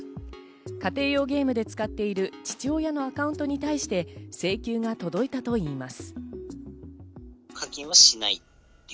家庭用ゲームで使っている父親のアカウントに対して請求が届いたといいます。